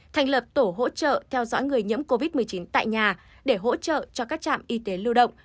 thành lập tổ hỗ trợ theo dõi người nhiễm covid một mươi chín tại nhà để hỗ trợ cho các trạm y tế lưu động